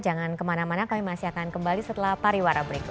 jangan kemana mana kami masih akan kembali setelah pariwara berikut